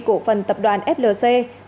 cổ phần tập đoàn flc